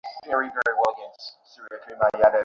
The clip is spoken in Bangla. ভুক্তভোগী চার তরুণী দরিদ্র।